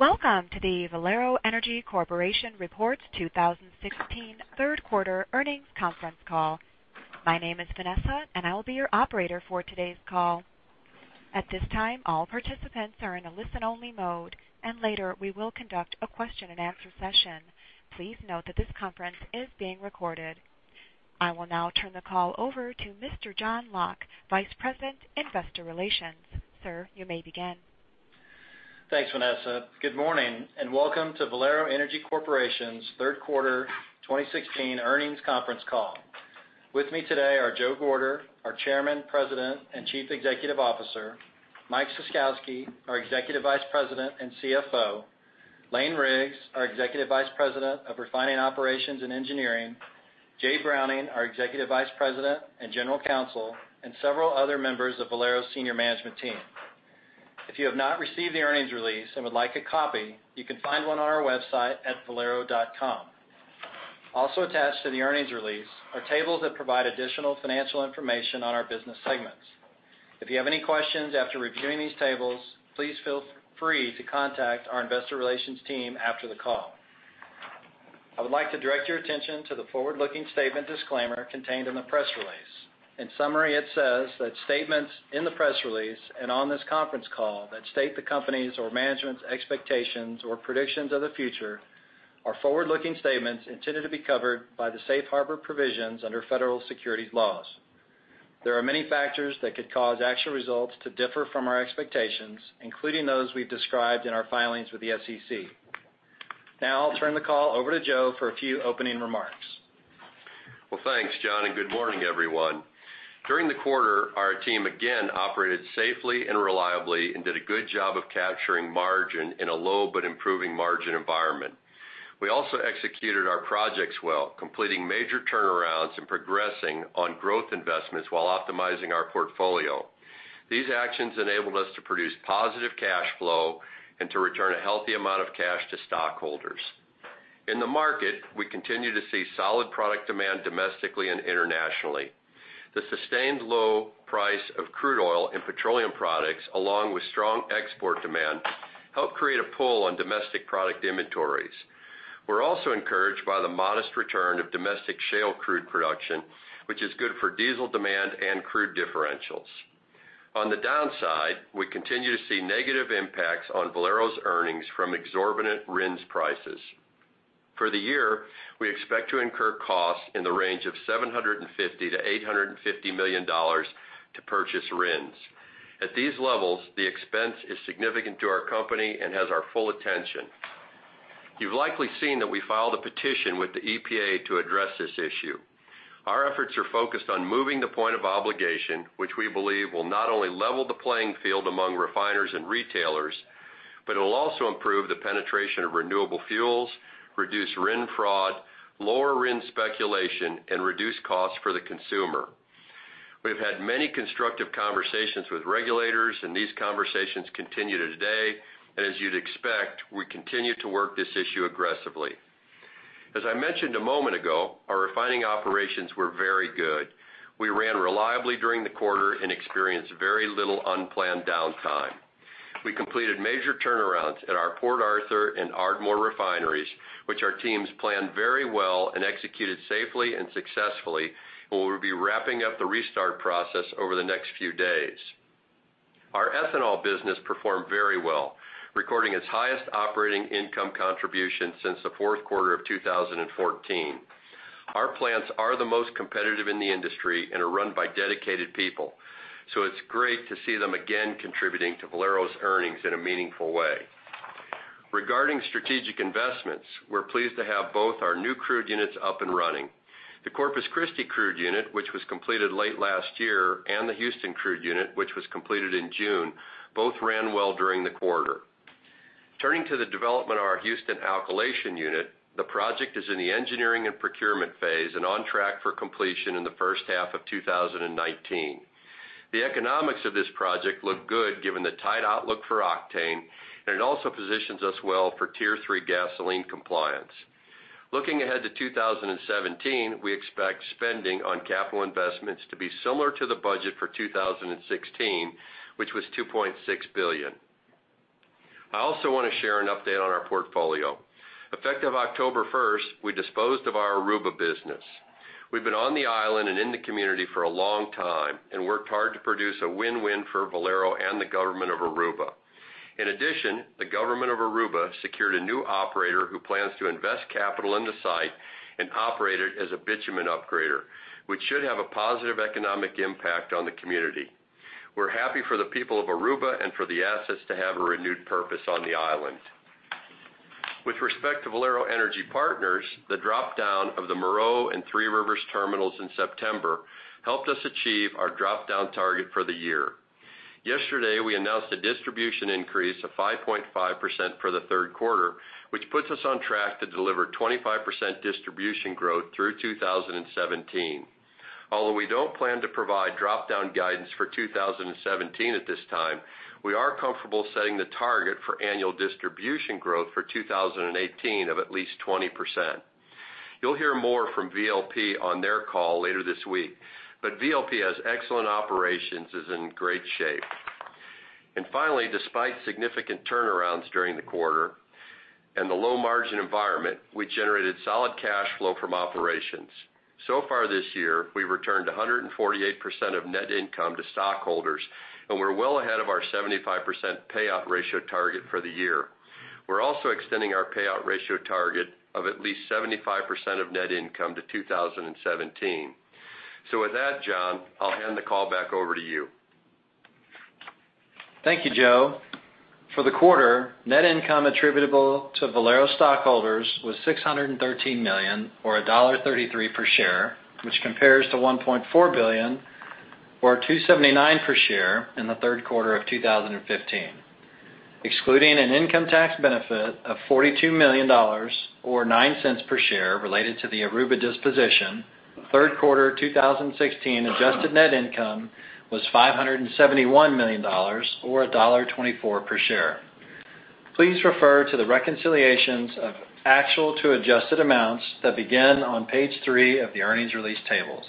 Welcome to the Valero Energy Corporation Reports 2016 third quarter earnings conference call. My name is Vanessa, and I will be your operator for today's call. At this time, all participants are in a listen-only mode, and later we will conduct a question and answer session. Please note that this conference is being recorded. I will now turn the call over to Mr. John Locke, Vice President, Investor Relations. Sir, you may begin. Thanks, Vanessa. Good morning, and welcome to Valero Energy Corporation's third quarter 2016 earnings conference call. With me today are Joe Gorder, our Chairman, President, and Chief Executive Officer, Mike Ciskowski, our Executive Vice President and CFO, Lane Riggs, our Executive Vice President of Refining Operations and Engineering, Jay Browning, our Executive Vice President and General Counsel, and several other members of Valero's senior management team. If you have not received the earnings release and would like a copy, you can find one on our website at valero.com. Also attached to the earnings release are tables that provide additional financial information on our business segments. If you have any questions after reviewing these tables, please feel free to contact our investor relations team after the call. I would like to direct your attention to the forward-looking statement disclaimer contained in the press release. In summary, it says that statements in the press release and on this conference call that state the company's or management's expectations or predictions of the future are forward-looking statements intended to be covered by the safe harbor provisions under federal securities laws. There are many factors that could cause actual results to differ from our expectations, including those we've described in our filings with the SEC. Now I'll turn the call over to Joe for a few opening remarks. Well, thanks, John, and good morning, everyone. During the quarter, our team again operated safely and reliably and did a good job of capturing margin in a low but improving margin environment. We also executed our projects well, completing major turnarounds and progressing on growth investments while optimizing our portfolio. These actions enabled us to produce positive cash flow and to return a healthy amount of cash to stockholders. In the market, we continue to see solid product demand domestically and internationally. The sustained low price of crude oil and petroleum products, along with strong export demand, helped create a pull on domestic product inventories. We're also encouraged by the modest return of domestic shale crude production, which is good for diesel demand and crude differentials. On the downside, we continue to see negative impacts on Valero's earnings from exorbitant RINs prices. For the year, we expect to incur costs in the range of $750 million-$850 million to purchase RINs. At these levels, the expense is significant to our company and has our full attention. You've likely seen that we filed a petition with the EPA to address this issue. Our efforts are focused on moving the point of obligation, which we believe will not only level the playing field among refiners and retailers, but it will also improve the penetration of renewable fuels, reduce RIN fraud, lower RIN speculation, and reduce costs for the consumer. We've had many constructive conversations with regulators, and these conversations continue to today. As you'd expect, we continue to work this issue aggressively. As I mentioned a moment ago, our refining operations were very good. We ran reliably during the quarter and experienced very little unplanned downtime. We completed major turnarounds at our Port Arthur and Ardmore refineries, which our teams planned very well and executed safely and successfully, and we will be wrapping up the restart process over the next few days. Our ethanol business performed very well, recording its highest operating income contribution since the fourth quarter of 2014. Our plants are the most competitive in the industry and are run by dedicated people. It's great to see them again contributing to Valero's earnings in a meaningful way. Regarding strategic investments, we're pleased to have both our new crude units up and running. The Corpus Christi crude unit, which was completed late last year, and the Houston crude unit, which was completed in June, both ran well during the quarter. Turning to the development of our Houston alkylation unit, the project is in the engineering and procurement phase and on track for completion in the first half of 2019. The economics of this project look good given the tight outlook for octane, and it also positions us well for Tier 3 gasoline compliance. Looking ahead to 2017, we expect spending on capital investments to be similar to the budget for 2016, which was $2.6 billion. I also want to share an update on our portfolio. Effective October 1st, we disposed of our Aruba business. We've been on the island and in the community for a long time and worked hard to produce a win-win for Valero and the government of Aruba. In addition, the government of Aruba secured a new operator who plans to invest capital in the site and operate it as a bitumen upgrader, which should have a positive economic impact on the community. We're happy for the people of Aruba and for the assets to have a renewed purpose on the island. With respect to Valero Energy Partners, the drop-down of the Meraux and Three Rivers terminals in September helped us achieve our drop-down target for the year. Yesterday, we announced a distribution increase of 5.5% for the third quarter, which puts us on track to deliver 25% distribution growth through 2017. Although we don't plan to provide drop-down guidance for 2017 at this time, we are comfortable setting the target for annual distribution growth for 2018 of at least 20%. You'll hear more from VLP on their call later this week. VLP has excellent operations, is in great shape. Finally, despite significant turnarounds during the quarter and the low margin environment, we generated solid cash flow from operations. So far this year, we returned 148% of net income to stockholders, and we're well ahead of our 75% payout ratio target for the year. We're also extending our payout ratio target of at least 75% of net income to 2017. With that, John, I'll hand the call back over to you. Thank you, Joe. For the quarter, net income attributable to Valero stockholders was $613 million or $1.33 per share, which compares to $1.4 billion or $2.79 per share in the third quarter of 2015. Excluding an income tax benefit of $42 million or $0.09 per share related to the Aruba disposition, third quarter 2016 adjusted net income was $571 million or $1.24 per share. Please refer to the reconciliations of actual to adjusted amounts that begin on page three of the earnings release tables.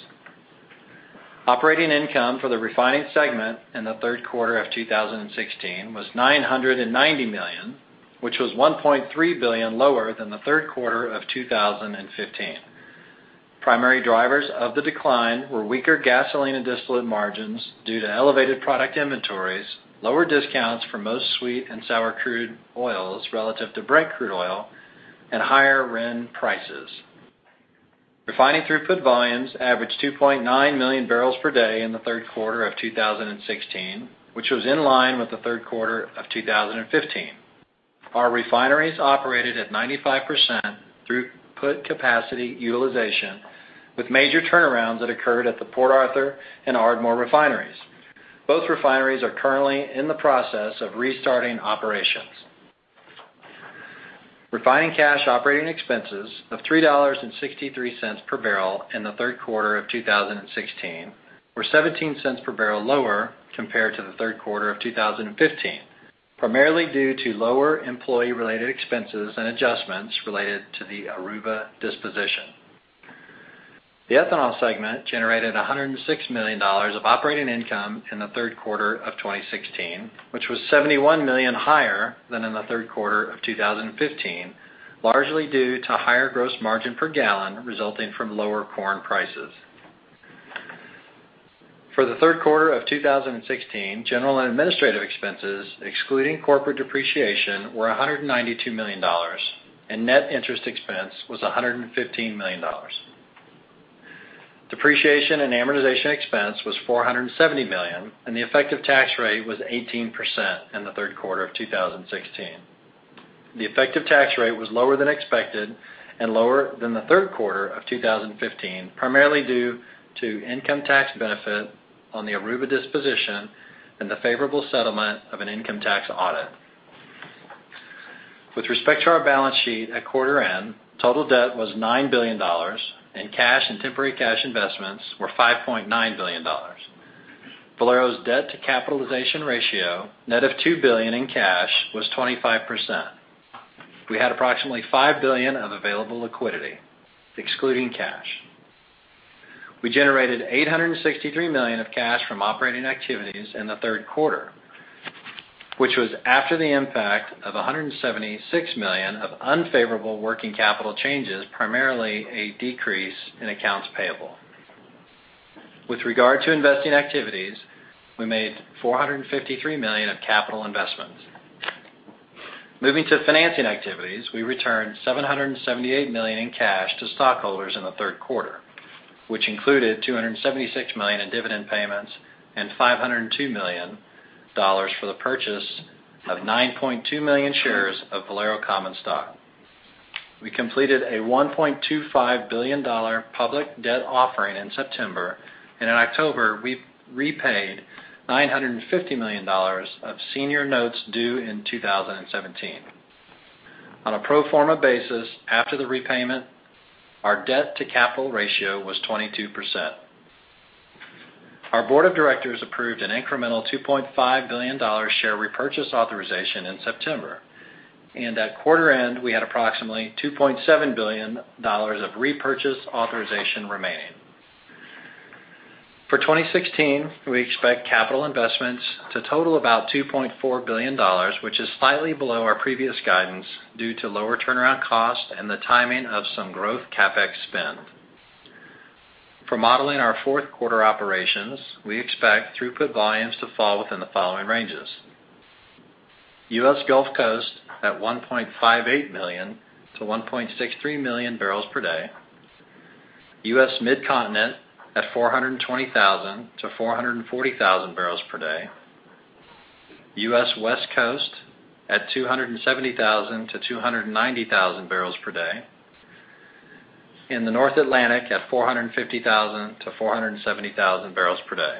Operating income for the refining segment in the third quarter of 2016 was $990 million, which was $1.3 billion lower than the third quarter of 2015. Primary drivers of the decline were weaker gasoline and distillate margins due to elevated product inventories, lower discounts for most sweet and sour crude oils relative to Brent crude oil, and higher RIN prices. Refining throughput volumes averaged 2.9 million barrels per day in the third quarter of 2016, which was in line with the third quarter of 2015. Our refineries operated at 95% throughput capacity utilization, with major turnarounds that occurred at the Port Arthur and Ardmore refineries. Both refineries are currently in the process of restarting operations. Refining cash operating expenses of $3.63 per barrel in the third quarter of 2016 were $0.17 per barrel lower compared to the third quarter of 2015, primarily due to lower employee-related expenses and adjustments related to the Aruba disposition. The ethanol segment generated $106 million of operating income in the third quarter of 2016, which was $71 million higher than in the third quarter of 2015, largely due to higher gross margin per gallon resulting from lower corn prices. For the third quarter of 2016, general and administrative expenses, excluding corporate depreciation, were $192 million, and net interest expense was $115 million. Depreciation and amortization expense was $470 million, and the effective tax rate was 18% in the third quarter of 2016. The effective tax rate was lower than expected and lower than the third quarter of 2015, primarily due to income tax benefit on the Aruba disposition and the favorable settlement of an income tax audit. With respect to our balance sheet at quarter end, total debt was $9 billion, and cash and temporary cash investments were $5.9 billion. Valero's debt to capitalization ratio, net of $2 billion in cash, was 25%. We had approximately $5 billion of available liquidity excluding cash. We generated $863 million of cash from operating activities in the third quarter, which was after the impact of $176 million of unfavorable working capital changes, primarily a decrease in accounts payable. With regard to investing activities, we made $453 million of capital investments. Moving to financing activities, we returned $778 million in cash to stockholders in the third quarter, which included $276 million in dividend payments and $502 million for the purchase of 9.2 million shares of Valero common stock. We completed a $1.25 billion public debt offering in September, and in October, we repaid $950 million of senior notes due in 2017. On a pro forma basis, after the repayment, our debt to capital ratio was 22%. Our board of directors approved an incremental $2.5 billion share repurchase authorization in September. At quarter end, we had approximately $2.7 billion of repurchase authorization remaining. For 2016, we expect capital investments to total about $2.4 billion, which is slightly below our previous guidance due to lower turnaround costs and the timing of some growth CapEx spend. For modeling our fourth quarter operations, we expect throughput volumes to fall within the following ranges: U.S. Gulf Coast at 1.58 million to 1.63 million barrels per day, U.S. Midcontinent at 420,000 to 440,000 barrels per day, U.S. West Coast at 270,000 to 290,000 barrels per day, and the North Atlantic at 450,000 to 470,000 barrels per day.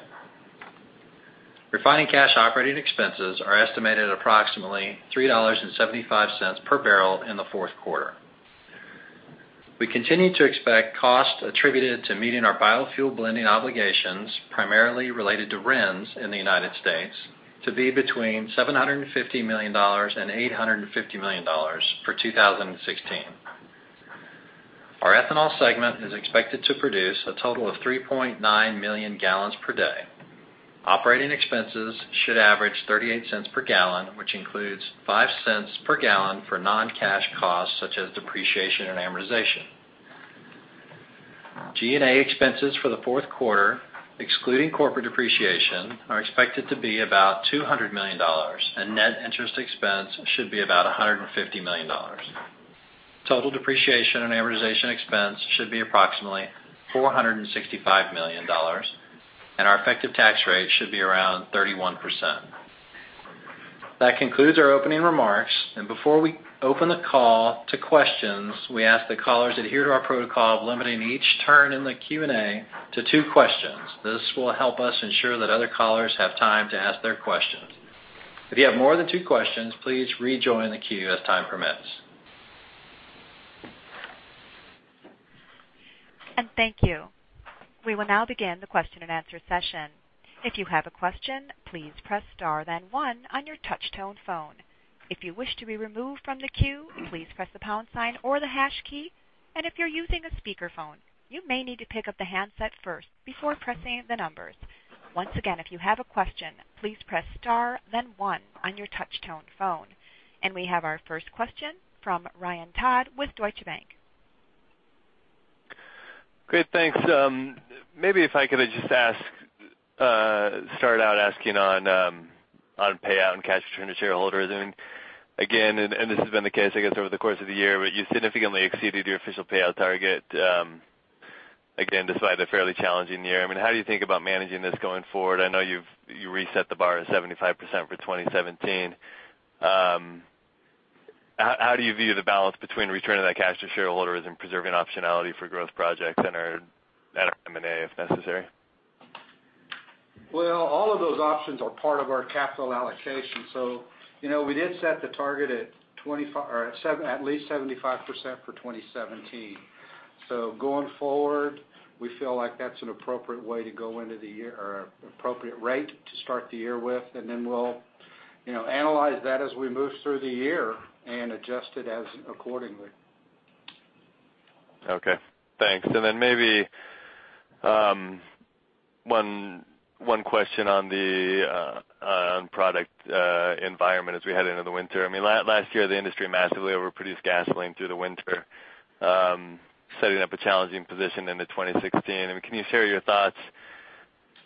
Refining cash operating expenses are estimated at approximately $3.75 per barrel in the fourth quarter. We continue to expect costs attributed to meeting our biofuel blending obligations, primarily related to RINs in the U.S. to be between $750 million and $850 million for 2016. Our ethanol segment is expected to produce a total of 3.9 million gallons per day. Operating expenses should average $0.38 per gallon, which includes $0.05 per gallon for non-cash costs such as depreciation and amortization. G&A expenses for the fourth quarter, excluding corporate depreciation, are expected to be about $200 million, and net interest expense should be about $150 million. Total depreciation and amortization expense should be approximately $465 million, and our effective tax rate should be around 31%. That concludes our opening remarks. Before we open the call to questions, we ask that callers adhere to our protocol of limiting each turn in the Q&A to two questions. This will help us ensure that other callers have time to ask their questions. If you have more than two questions, please rejoin the queue as time permits. Thank you. We will now begin the question and answer session. If you have a question, please press star then one on your touch tone phone. If you wish to be removed from the queue, please press the pound sign or the hash key. If you are using a speakerphone, you may need to pick up the handset first before pressing the numbers. Once again, if you have a question, please press star then one on your touch tone phone. We have our first question from Ryan Todd with Deutsche Bank. Great. Thanks. Maybe if I could just start out asking on payout and cash return to shareholders. Again, this has been the case I guess over the course of the year, you significantly exceeded your official payout target, again, despite a fairly challenging year. How do you think about managing this going forward? I know you reset the bar at 75% for 2017. How do you view the balance between returning that cash to shareholders and preserving optionality for growth projects and at our M&A if necessary? Well, all of those options are part of our capital allocation. We did set the target at least 75% for 2017. Going forward, we feel like that's an appropriate way to go into the year or appropriate rate to start the year with, then we'll analyze that as we move through the year and adjust it as accordingly. Okay, thanks. Then maybe one question on the product environment as we head into the winter. Last year, the industry massively overproduced gasoline through the winter setting up a challenging position into 2016. Can you share your thoughts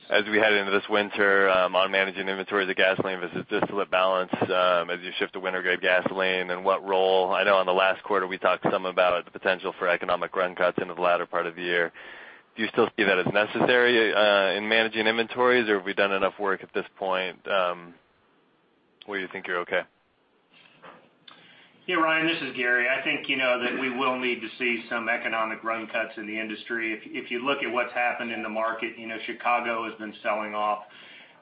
as we head into this winter on managing inventories of gasoline versus distillate balance as you shift to winter-grade gasoline? I know on the last quarter, we talked some about the potential for economic run cuts into the latter part of the year. Do you still see that as necessary in managing inventories, or have we done enough work at this point where you think you're okay? Yeah, Ryan, this is Gary. I think that we will need to see some economic run cuts in the industry. If you look at what's happened in the market, Chicago has been selling off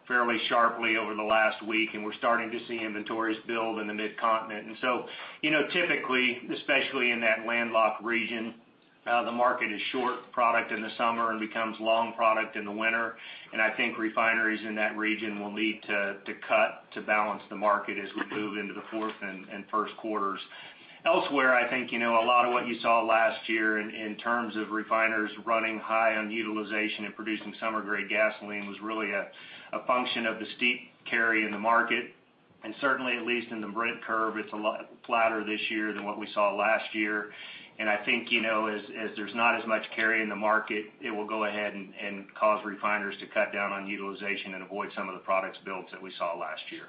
fairly sharply over the last week, we're starting to see inventories build in the Mid-Continent. Typically, especially in that landlocked region, the market is short product in the summer and becomes long product in the winter. I think refineries in that region will need to cut to balance the market as we move into the fourth and first quarters. Elsewhere, I think a lot of what you saw last year in terms of refiners running high on utilization and producing summer-grade gasoline was really a function of the steep carry in the market. Certainly, at least in the Brent curve, it's a lot flatter this year than what we saw last year. I think, as there's not as much carry in the market, it will go ahead and cause refiners to cut down on utilization and avoid some of the products builds that we saw last year.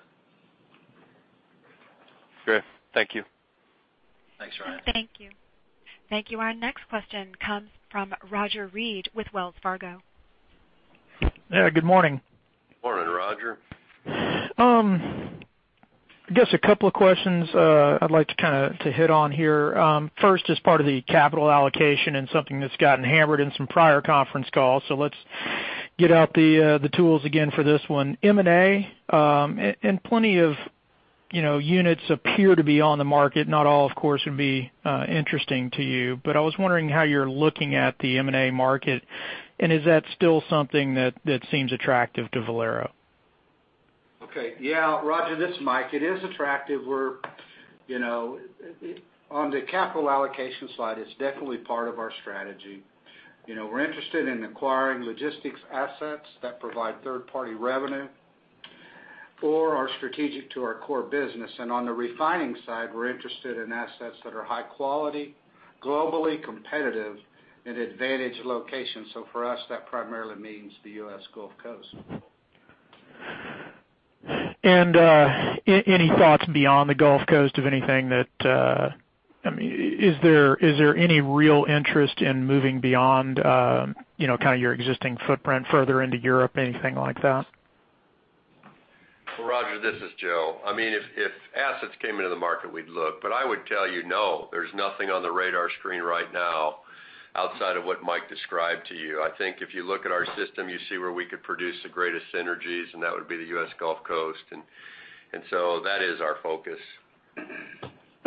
Great. Thank you. Thanks, Ryan. Thank you. Thank you. Our next question comes from Roger Read with Wells Fargo. Yeah, good morning. Morning, Roger. I guess a couple of questions I'd like to hit on here. First is part of the capital allocation and something that's gotten hammered in some prior conference calls, so let's get out the tools again for this one. M&A and plenty of units appear to be on the market. Not all, of course, would be interesting to you, but I was wondering how you're looking at the M&A market, and is that still something that seems attractive to Valero? Okay. Yeah, Roger, this is Mike. It is attractive. On the capital allocation side, it's definitely part of our strategy. On the refining side, we're interested in acquiring logistics assets that provide third-party revenue or are strategic to our core business. For us, that primarily means the U.S. Gulf Coast. Any thoughts beyond the Gulf Coast of anything? Is there any real interest in moving beyond your existing footprint further into Europe, anything like that? Well, Roger, this is Joe. If assets came into the market, we'd look. I would tell you, no, there's nothing on the radar screen right now outside of what Mike described to you. I think if you look at our system, you see where we could produce the greatest synergies, and that would be the U.S. Gulf Coast and That is our focus.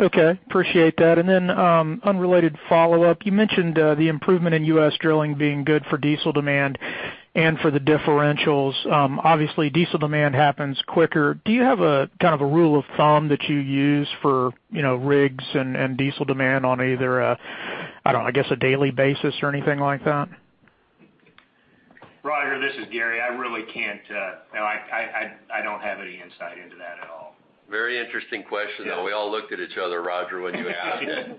Okay, appreciate that. Unrelated follow-up, you mentioned the improvement in U.S. drilling being good for diesel demand and for the differentials. Obviously, diesel demand happens quicker. Do you have a kind of a rule of thumb that you use for rigs and diesel demand on either, I don't know, I guess, a daily basis or anything like that? Roger, this is Gary. I really don't have any insight into that at all. Very interesting question, though. We all looked at each other, Roger, when you asked it.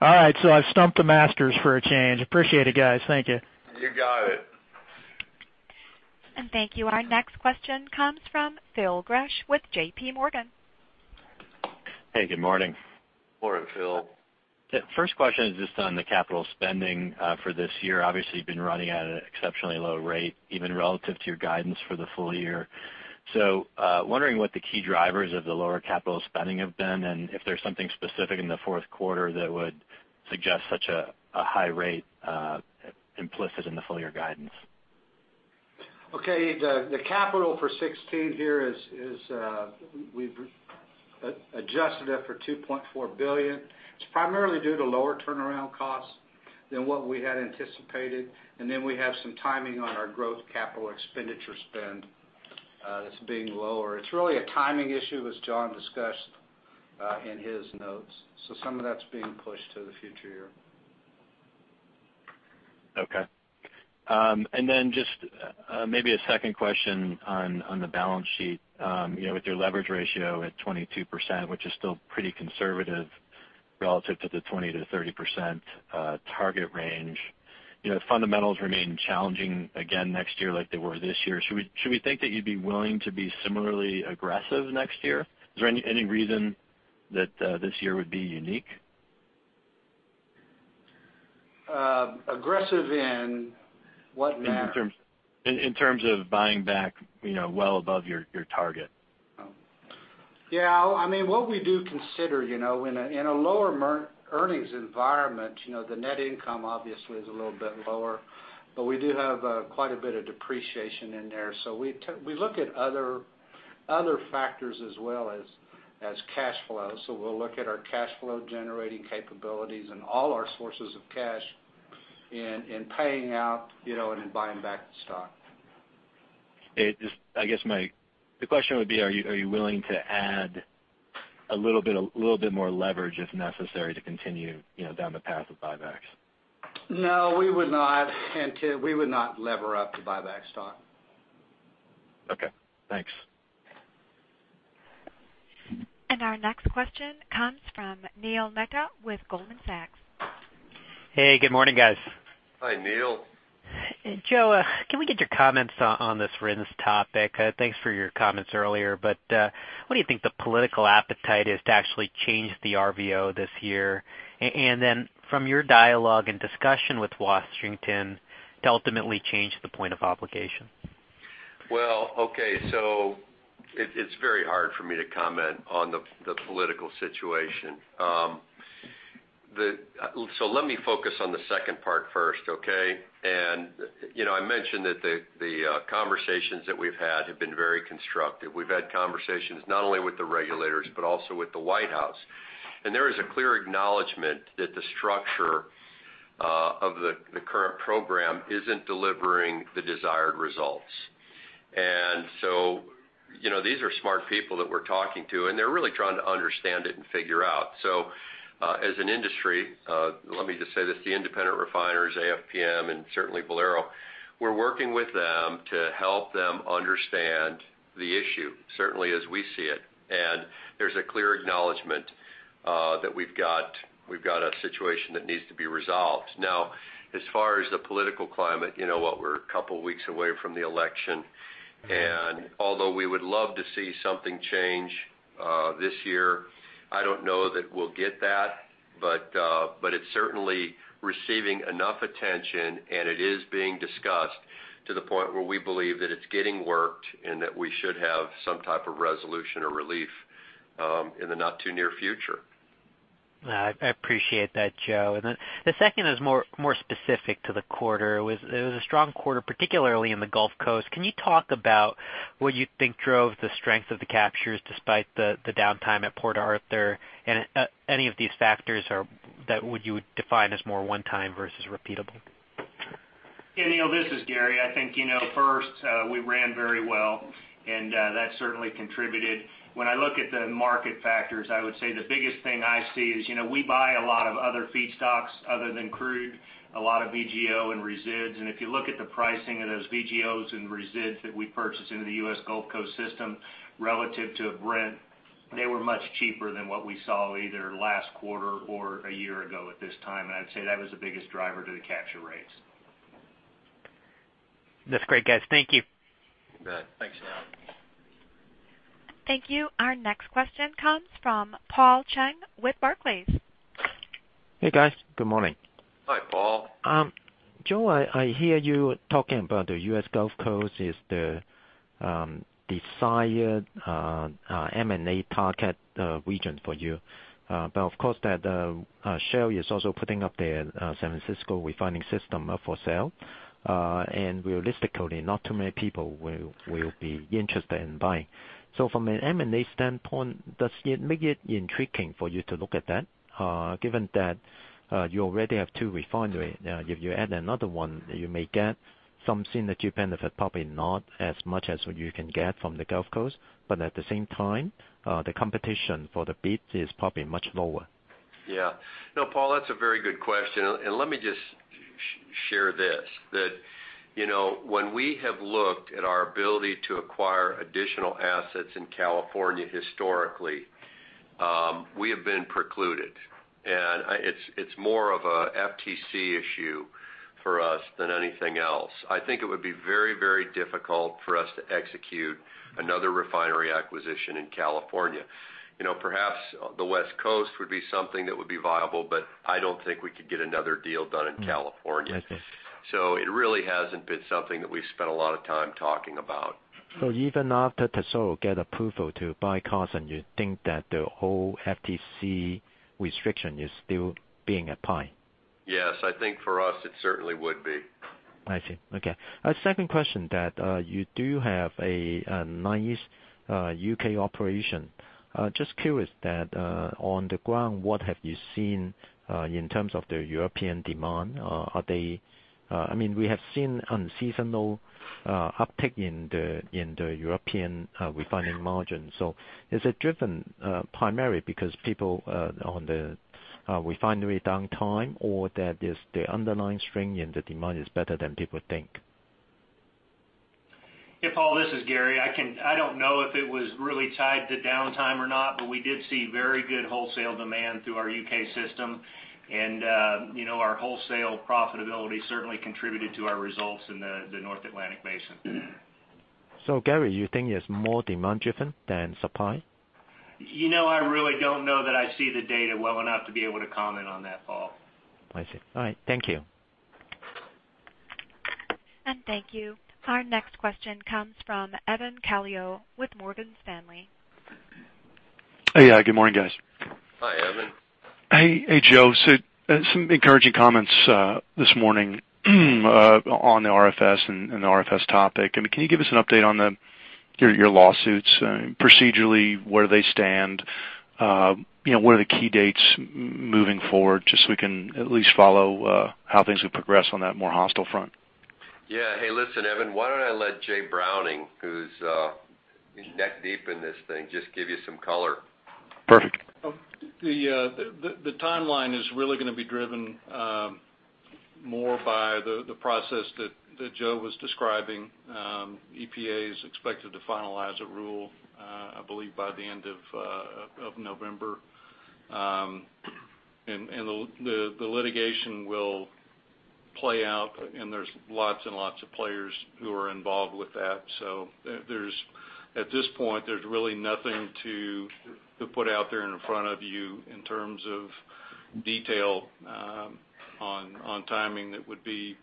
All right, I've stumped the masters for a change. Appreciate it, guys. Thank you. You got it. Thank you. Our next question comes from Phil Gresh with JPMorgan. Hey, good morning. Morning, Phil. The first question is just on the capital spending for this year. Obviously, you've been running at an exceptionally low rate, even relative to your guidance for the full-year. Wondering what the key drivers of the lower capital spending have been, and if there's something specific in the fourth quarter that would suggest such a high rate implicit in the full-year guidance. Okay. The capital for 2016 here is we've adjusted it for $2.4 billion. It's primarily due to lower turnaround costs than what we had anticipated, and then we have some timing on our growth capital expenditure spend that's being lower. It's really a timing issue, as John discussed in his notes. Some of that's being pushed to the future year. Okay. Just maybe a second question on the balance sheet. With your leverage ratio at 22%, which is still pretty conservative relative to the 20%-30% target range. Fundamentals remain challenging again next year like they were this year. Should we think that you'd be willing to be similarly aggressive next year? Is there any reason that this year would be unique? Aggressive in what manner? In terms of buying back well above your target. Yeah. What we do consider in a lower earnings environment, the net income obviously is a little bit lower, but we do have quite a bit of depreciation in there. We look at other factors as well as cash flow. We'll look at our cash flow generating capabilities and all our sources of cash in paying out and in buying back the stock. I guess my question would be, are you willing to add a little bit more leverage if necessary to continue down the path of buybacks? No, we would not lever up to buy back stock. Okay, thanks. Our next question comes from Neil Mehta with Goldman Sachs. Hey, good morning, guys. Hi, Neil. Joe, can we get your comments on this RINs topic? Thanks for your comments earlier, what do you think the political appetite is to actually change the RVO this year? Then from your dialogue and discussion with Washington to ultimately change the point of obligation? It's very hard for me to comment on the political situation. Let me focus on the second part first, okay? I mentioned that the conversations that we've had have been very constructive. We've had conversations not only with the regulators but also with the White House. There is a clear acknowledgment that the structure of the current program isn't delivering the desired results. These are smart people that we're talking to, and they're really trying to understand it and figure out. As an industry, let me just say this, the independent refiners, AFPM, and certainly Valero, we're working with them to help them understand the issue, certainly as we see it. There's a clear acknowledgment that we've got a situation that needs to be resolved. As far as the political climate, you know what, we're a couple of weeks away from the election, although we would love to see something change this year, I don't know that we'll get that. It's certainly receiving enough attention, it is being discussed to the point where we believe that it's getting worked and that we should have some type of resolution or relief in the not too near future. I appreciate that, Joe. The second is more specific to the quarter. It was a strong quarter, particularly in the Gulf Coast. Can you talk about what you think drove the strength of the captures despite the downtime at Port Arthur, any of these factors that you would define as more one time versus repeatable? Yeah, Neil, this is Gary. I think first, we ran very well, that certainly contributed. When I look at the market factors, I would say the biggest thing I see is we buy a lot of other feedstocks other than crude, a lot of VGO and resids. If you look at the pricing of those VGOs and resids that we purchase into the U.S. Gulf Coast system relative to Brent, they were much cheaper than what we saw either last quarter or a year ago at this time. I'd say that was the biggest driver to the capture rates. That's great, guys. Thank you. You bet. Thanks, Neil. Thank you. Our next question comes from Paul Cheng with Barclays. Hey guys. Good morning. Hi, Paul. Joe, I hear you talking about the U.S. Gulf Coast is the desired M&A target region for you. Of course, Shell is also putting up their San Francisco refining system up for sale. Realistically, not too many people will be interested in buying. From an M&A standpoint, does it make it intriguing for you to look at that, given that you already have two refineries? If you add another one, you may get some synergy benefit, probably not as much as what you can get from the Gulf Coast. At the same time, the competition for the bid is probably much lower. No, Paul, that's a very good question. Let me just share this. That when we have looked at our ability to acquire additional assets in California historically, we have been precluded, and it's more of a FTC issue for us than anything else. I think it would be very difficult for us to execute another refinery acquisition in California. Perhaps the West Coast would be something that would be viable, I don't think we could get another deal done in California. I see. It really hasn't been something that we've spent a lot of time talking about. Even after Tesoro get approval to buy Carson, you think that the whole FTC restriction is still being applied? Yes. I think for us, it certainly would be. I see. Okay. A second question that you do have a nice U.K. operation. Just curious that on the ground, what have you seen in terms of the European demand? We have seen unseasonal uptick in the European refining margin. Is it driven primarily because people on the refinery downtime or that the underlying strength in the demand is better than people think? Hey, Paul, this is Gary. I don't know if it was really tied to downtime or not, we did see very good wholesale demand through our U.K. system. Our wholesale profitability certainly contributed to our results in the North Atlantic Basin. Gary, you think it's more demand driven than supply? I really don't know that I see the data well enough to be able to comment on that, Paul. I see. All right. Thank you. Thank you. Our next question comes from Evan Calio with Morgan Stanley. Hey. Good morning, guys. Hi, Evan. Hey, Joe. Some encouraging comments this morning on the RFS and the RFS topic. Can you give us an update on your lawsuits? Procedurally, where do they stand? What are the key dates moving forward, just so we can at least follow how things would progress on that more hostile front? Yeah. Hey, listen, Evan, why don't I let Jay Browning, who's neck deep in this thing, just give you some color? Perfect. The timeline is really going to be driven more by the process that Joe was describing. EPA is expected to finalize a rule, I believe, by the end of November. The litigation will play out, and there's lots and lots of players who are involved with that. At this point, there's really nothing to put out there in front of you in terms of detail on timing that would be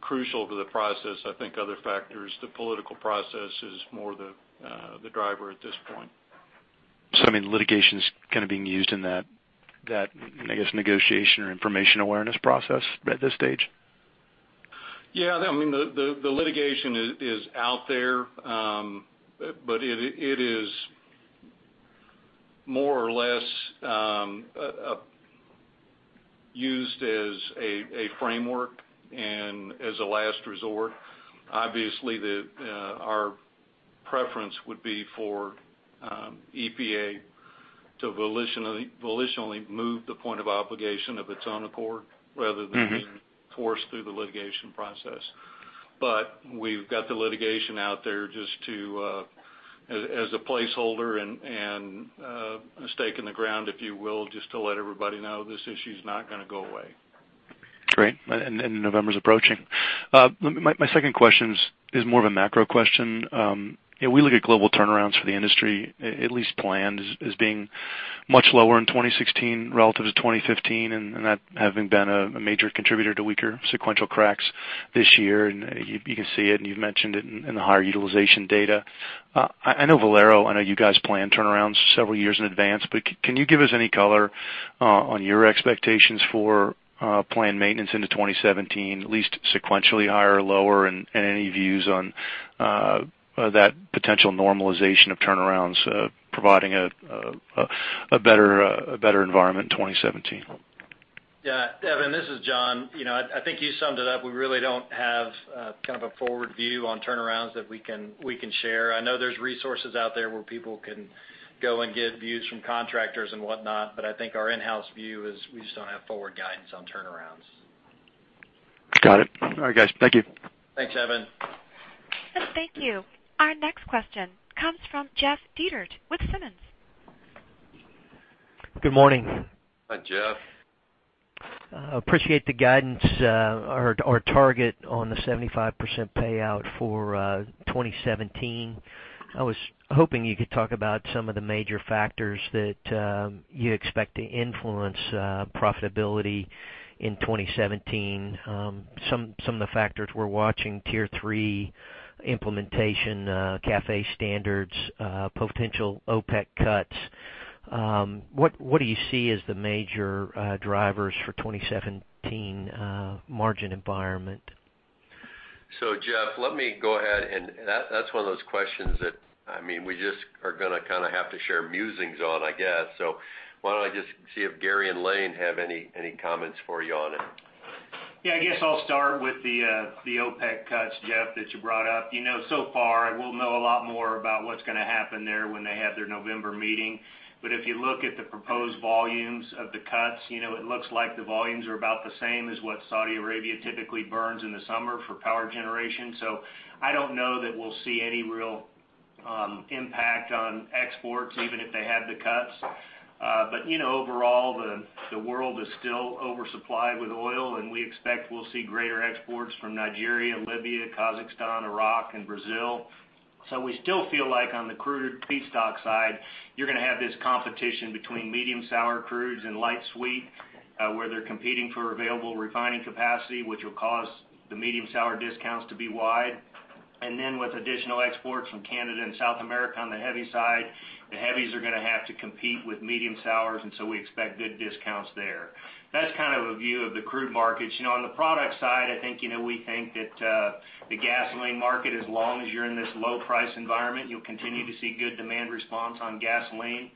crucial to the process. I think other factors, the political process is more the driver at this point. Litigation is being used in that negotiation or information awareness process at this stage? Yeah. The litigation is out there. It is more or less used as a framework and as a last resort. Obviously, our preference would be for EPA to volitionally move the point of obligation of its own accord. being forced through the litigation process. We've got the litigation out there just as a placeholder and a stake in the ground, if you will, just to let everybody know this issue's not going to go away. Great. November's approaching. My second question is more of a macro question. We look at global turnarounds for the industry, at least planned, as being much lower in 2016 relative to 2015, and that having been a major contributor to weaker sequential cracks this year. You can see it, and you've mentioned it in the higher utilization data. I know Valero, I know you guys plan turnarounds several years in advance, but can you give us any color on your expectations for planned maintenance into 2017, at least sequentially higher or lower, and any views on that potential normalization of turnarounds providing a better environment in 2017? Yeah. Evan, this is John. I think you summed it up. We really don't have a forward view on turnarounds that we can share. I know there's resources out there where people can go and get views from contractors and whatnot, but I think our in-house view is we just don't have forward guidance on turnarounds. Got it. All right, guys. Thank you. Thanks, Evan. Thank you. Our next question comes from Jeff Dietert with Simmons. Good morning. Hi, Jeff. Appreciate the guidance or target on the 75% payout for 2017. I was hoping you could talk about some of the major factors that you expect to influence profitability in 2017. Some of the factors we're watching, Tier 3 implementation, CAFE standards, potential OPEC cuts. What do you see as the major drivers for 2017 margin environment? Jeff, let me go ahead, that's one of those questions that we just are going to have to share musings on, I guess. Why don't I just see if Gary and Lane have any comments for you on it? Yeah, I guess I'll start with the OPEC cuts, Jeff, that you brought up. Far, we'll know a lot more about what's going to happen there when they have their November meeting. If you look at the proposed volumes of the cuts, it looks like the volumes are about the same as what Saudi Arabia typically burns in the summer for power generation. I don't know that we'll see any real impact on exports, even if they have the cuts. Overall, the world is still over-supplied with oil, we expect we'll see greater exports from Nigeria, Libya, Kazakhstan, Iraq, and Brazil. We still feel like on the crude feedstock side, you're going to have this competition between medium sour crudes and light sweet, where they're competing for available refining capacity, which will cause the medium sour discounts to be wide. Then with additional exports from Canada and South America on the heavy side, the heavies are going to have to compete with medium sours, we expect good discounts there. That's a view of the crude markets. On the product side, I think we think that the gasoline market, as long as you're in this low price environment, you'll continue to see good demand response on gasoline.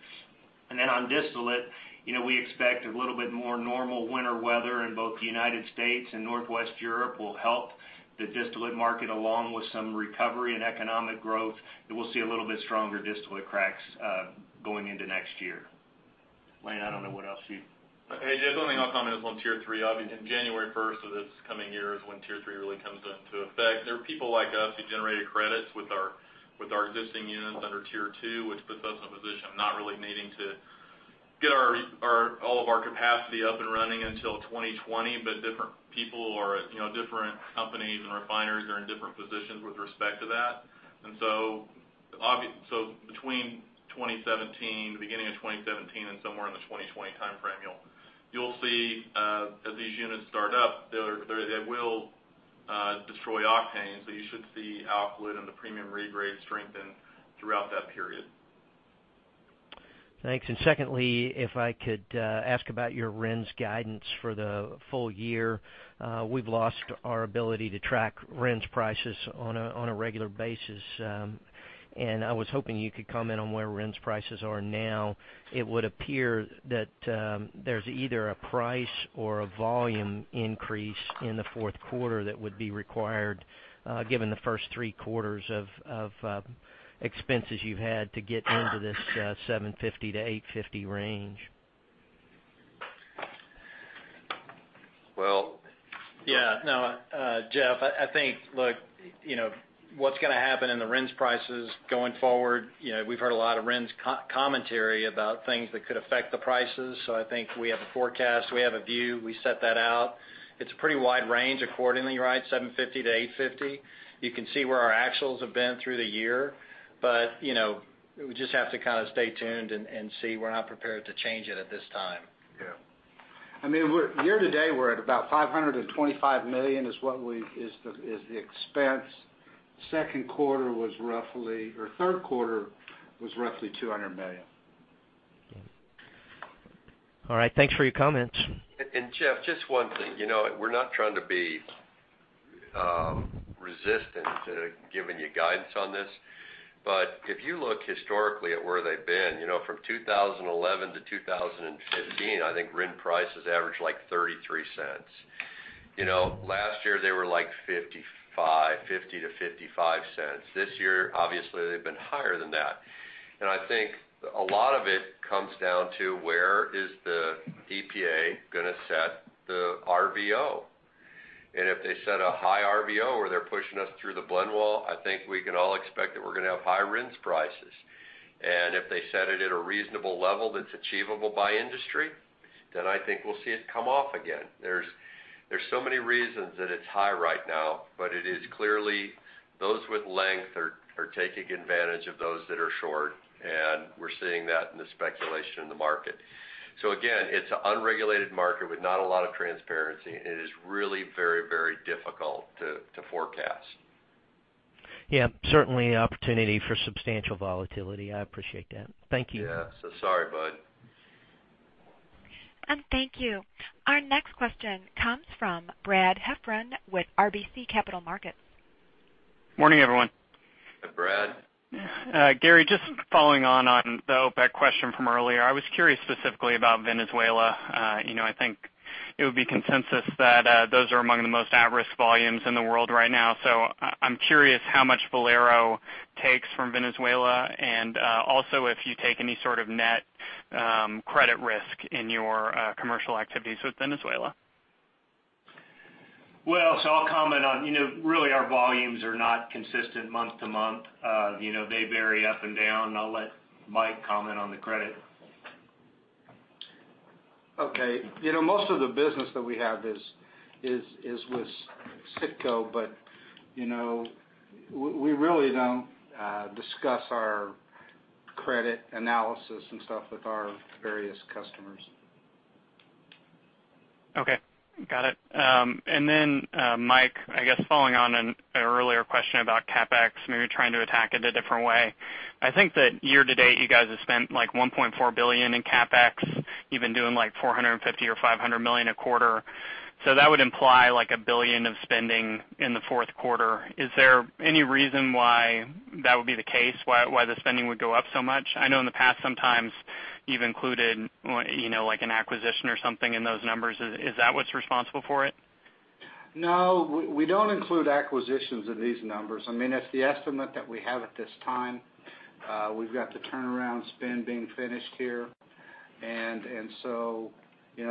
Then on distillate, we expect a little bit more normal winter weather in both the United States and Northwest Europe will help the distillate market, along with some recovery in economic growth, we'll see a little bit stronger distillate cracks going into next year. Lane, I don't know what else you Hey, Jeff, the only thing I'll comment is on Tier 3. Obviously, January 1st of this coming year is when Tier 3 really comes into effect. There are people like us who generated credits with our existing units under Tier 2, which puts us in a position of not really needing to get all of our capacity up and running until 2020. Different people or different companies and refineries are in different positions with respect to that. Between the beginning of 2017 and somewhere in the 2020 timeframe, you'll see as these units start up, they will destroy octane. You should see alkylate and the premium regrade strengthen throughout that period. Thanks. Secondly, if I could ask about your RINs guidance for the full year. We've lost our ability to track RINs prices on a regular basis, and I was hoping you could comment on where RINs prices are now. It would appear that there's either a price or a volume increase in the fourth quarter that would be required given the first three quarters of expenses you've had to get into this $750 million-$850 million range. Well Yeah. No, Jeff, I think what's going to happen in the RINs prices going forward, we've heard a lot of RINs commentary about things that could affect the prices. I think we have a forecast. We have a view. We set that out. It's a pretty wide range accordingly, $7.50-$8.50. You can see where our actuals have been through the year. We just have to stay tuned and see. We're not prepared to change it at this time. Yeah. Year to date, we're at about $525 million is the expense. Third quarter was roughly $200 million. All right. Thanks for your comments. Jeff, just one thing. We're not trying to be resistant to giving you guidance on this. If you look historically at where they've been, from 2011 to 2015, I think RIN prices averaged $0.33. Last year, they were $0.50-$0.55. This year, obviously, they've been higher than that. I think a lot of it comes down to where is the EPA going to set the RVO. If they set a high RVO or they're pushing us through the blend wall, I think we can all expect that we're going to have high RINs prices. If they set it at a reasonable level that's achievable by industry, I think we'll see it come off again. There's so many reasons that it's high right now, but it is clearly those with length are taking advantage of those that are short, and we're seeing that in the speculation in the market. Again, it's an unregulated market with not a lot of transparency, and it is really very difficult to forecast. Yeah. Certainly opportunity for substantial volatility. I appreciate that. Thank you. Yeah. Sorry, bud. Thank you. Our next question comes from Brad Heffern with RBC Capital Markets. Morning, everyone. Hi, Brad. Gary, just following on the OPEC question from earlier, I was curious specifically about Venezuela. I think it would be consensus that those are among the most at-risk volumes in the world right now. I'm curious how much Valero takes from Venezuela, and also if you take any sort of net credit risk in your commercial activities with Venezuela. I'll comment on, really our volumes are not consistent month to month. They vary up and down, and I'll let Mike comment on the credit. Okay. Most of the business that we have is with CITGO, we really don't discuss our credit analysis and stuff with our various customers. Okay. Got it. Mike, I guess following on an earlier question about CapEx, maybe trying to attack it a different way. I think that year-to-date, you guys have spent $1.4 billion in CapEx. You've been doing $450 million or $500 million a quarter. That would imply, like, $1 billion of spending in the fourth quarter. Is there any reason why that would be the case, why the spending would go up so much? I know in the past sometimes you've included an acquisition or something in those numbers. Is that what's responsible for it? No, we don't include acquisitions in these numbers. It's the estimate that we have at this time. We've got the turnaround spend being finished here.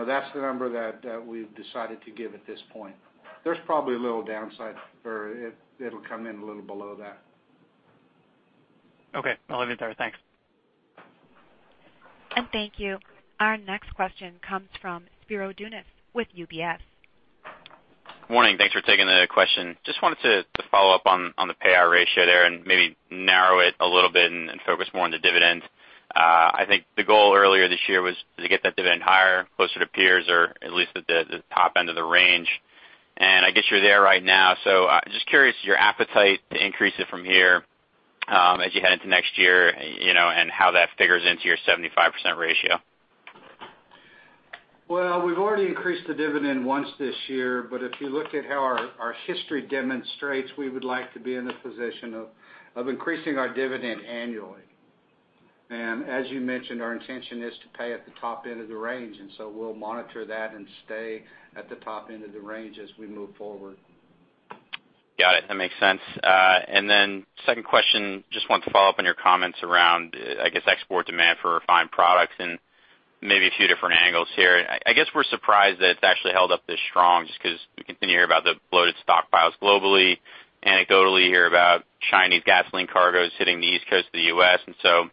That's the number that we've decided to give at this point. There's probably a little downside, or it'll come in a little below that. Okay. I'll leave it there. Thanks. Thank you. Our next question comes from Spiro Dounis with UBS. Morning. Thanks for taking the question. Just wanted to follow up on the payout ratio there and maybe narrow it a little bit and focus more on the dividends. I think the goal earlier this year was to get that dividend higher, closer to peers, or at least at the top end of the range. I guess you're there right now. Just curious, your appetite to increase it from here as you head into next year, and how that figures into your 75% ratio. Well, we've already increased the dividend once this year, but if you look at how our history demonstrates, we would like to be in the position of increasing our dividend annually. As you mentioned, our intention is to pay at the top end of the range, and so we'll monitor that and stay at the top end of the range as we move forward. Got it. That makes sense. Then second question, just wanted to follow up on your comments around, I guess, export demand for refined products and maybe a few different angles here. I guess we're surprised that it's actually held up this strong just because we continue to hear about the bloated stockpiles globally. Anecdotally, you hear about Chinese gasoline cargoes hitting the East Coast of the U.S., and so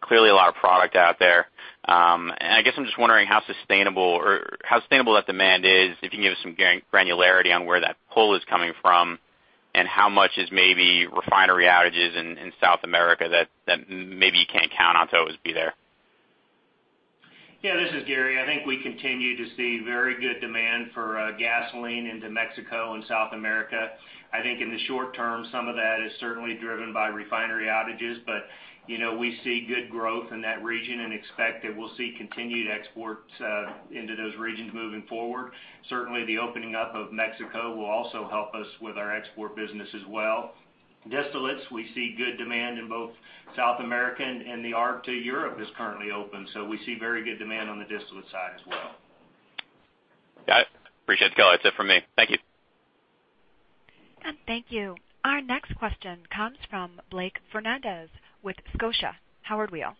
clearly a lot of product out there. I guess I'm just wondering how sustainable that demand is, if you can give us some granularity on where that pull is coming from and how much is maybe refinery outages in South America that maybe you can't count on to always be there. Yeah, this is Gary. I think we continue to see very good demand for gasoline into Mexico and South America. I think in the short term, some of that is certainly driven by refinery outages, but we see good growth in that region and expect that we'll see continued exports into those regions moving forward. Certainly, the opening up of Mexico will also help us with our export business as well. Distillates, we see good demand in both South America and the arb to Europe is currently open. We see very good demand on the distillate side as well. Got it. Appreciate the color. That's it for me. Thank you. Thank you. Our next question comes from Blake Fernandez with Scotia Howard Weil.